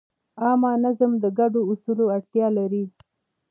عامه نظم د ګډو اصولو اړتیا لري.